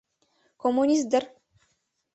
— Коммунист дыр?